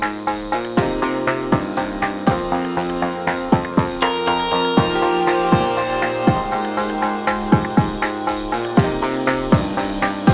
ini bagian fabulous